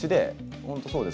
本当そうです。